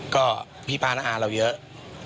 ก็พี่ป้าน้าอาเราเยอะ